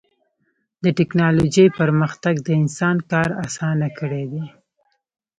د ټکنالوجۍ پرمختګ د انسان کار اسان کړی دی.